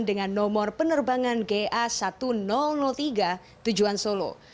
dengan nomor penerbangan ga seribu tiga tujuan solo